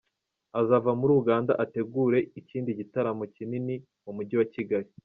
Azava muri Uganda ategure ikindi gitaramo kinini mu Mujyi wa Kigali.